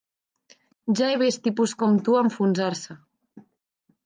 Ja he vist tipus com tu enfonsar-se.